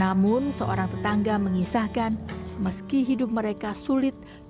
namun seorang tetangga mengisahkan meski hidup mereka sulit untuk mencari tempat untuk hidup